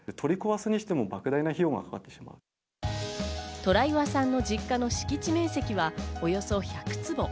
虎岩さんの実家の敷地面積はおよそ１００坪。